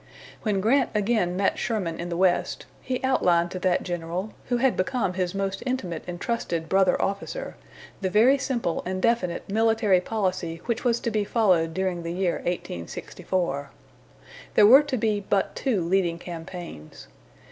When Grant again met Sherman in the West, he outlined to that general, who had become his most intimate and trusted brother officer, the very simple and definite military policy which was to be followed during the year 1864. There were to be but two leading campaigns.